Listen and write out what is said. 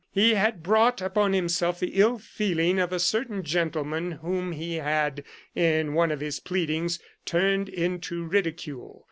He had brought upon himself the ill feeling of a certain gentleman whom ho had, in one of his pleadings, turned into ridicule.